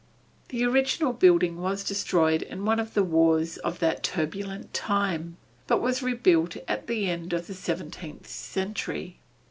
The original building was destroyed in one of the wars of that turbulent time, but was rebuilt at the end of the seventeenth century.